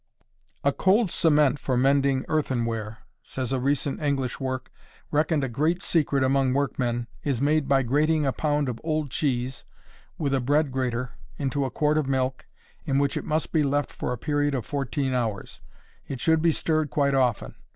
A Cold Cement for Mending Earthenware, says a recent English work, reckoned a great secret among workmen, is made by grating a pound of old cheese, with a bread grater, into a quart of milk, in which it must be left for a period of fourteen hours. It should be stirred quite often.